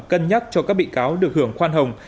cân nhắc cho các bị cáo được hưởng khoan hồng